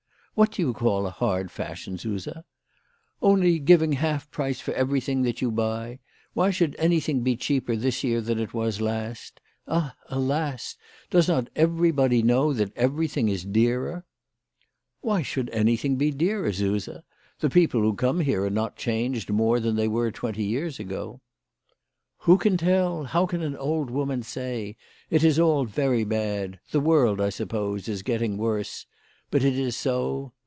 " "What do you call a hard fashion, Suse ?"" Only giving half price for everything that you huy. Why should anything be cheaper this year than, it was last ? Ah, alas ! does not everybody know that everything is dearer ?" "Why should anything be dearer, Suse? The people who come here are not charged more than they were twenty years ago." " Who can tell ? How can an old woman say ? It is all very bad. The world, I suppose, is getting worse. But it is so.